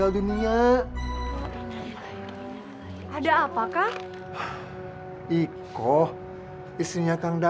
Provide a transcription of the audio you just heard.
ada apa kang